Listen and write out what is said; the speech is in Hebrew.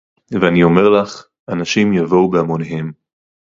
ואני אומר לך - אנשים יבואו בהמוניהם